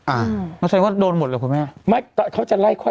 อ่าเขาใช้ว่าโดนหมดหรือครับคุณแม่ไม่แต่เขาจะไล่ค่อย